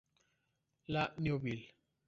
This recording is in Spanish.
La Neuville